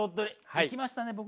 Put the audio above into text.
行きましたね